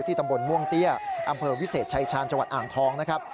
ตำบลม่วงเตี้ยอำเภอวิเศษชายชาญจังหวัดอ่างทองนะครับ